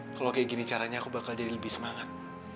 kalau kayak gini caranya aku bakal jadi lebih semangat